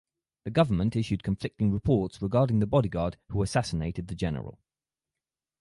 The government issued conflicting reports regarding the bodyguard who assassinated the general.